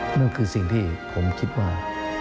นั่นคือสิ่งที่ผมคิดว่า